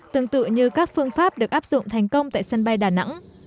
tương tự như các phương pháp được áp dụng thành công tại sân bay đà nẵng